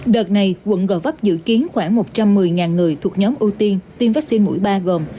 đợt này quận gò vấp dự kiến khoảng một trăm một mươi người thuộc nhóm ưu tiên tiêm vaccine mũi ba gồm